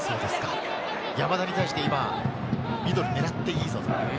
山田に対してミドル狙っていいぞ。